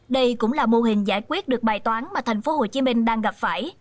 đây cũng là mô hình giải quyết được bài toán mà thành phố hồ chí minh đang gặp phải